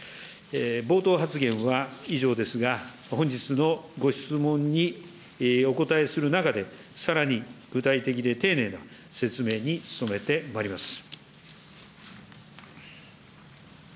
冒頭発言は以上ですが、本日のご質問にお答えする中で、さらに具体的で丁寧な説明に努めてまいります。